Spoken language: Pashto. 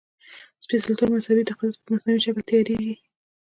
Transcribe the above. سپېڅلتوب او مذهبي تقدس په مصنوعي شکل تیارېږي.